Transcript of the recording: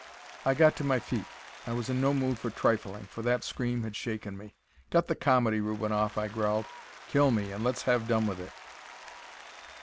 I got to my feet. I was in no mood for trifling, for that scream had shaken me. "Cut the comedy, Rubinoff." I growled. "Kill me, and let's have done with it."